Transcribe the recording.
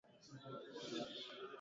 anatambuliwa kwa jina la al myidhan